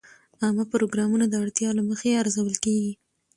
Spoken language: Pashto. عامه پروګرامونه د اړتیا له مخې ارزول کېږي.